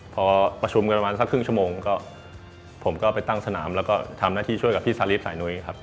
พอประชุมกันประมาณสักครึ่งชั่วโมงก็ผมก็ไปตั้งสนามแล้วก็ทำหน้าที่ช่วยกับพี่ซาลิฟสายนุ้ยครับ